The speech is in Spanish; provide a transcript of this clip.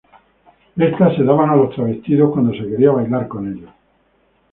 Estas se daban a los travestidos cuando se quería bailar con ellos.